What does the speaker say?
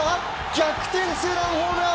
逆転ツーランホームラン！